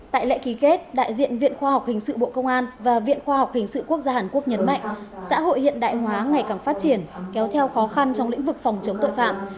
tại lệ ký kết đại diện viện khoa học hình sự bộ công an và viện khoa học hình sự quốc gia hàn quốc nhấn mạnh xã hội hiện đại hóa ngày càng phát triển kéo theo khó khăn trong lĩnh vực phòng chống tội phạm